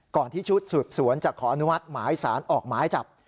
ที่ชุดสืบสวนจะขออนุมัติหมายสารออกหมายจับ